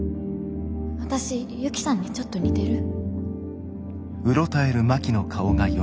私ユキさんにちょっと似てる？